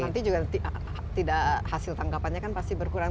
nanti juga tidak hasil tangkapannya kan pasti berkurang